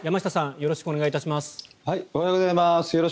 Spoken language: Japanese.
よろしくお願いします。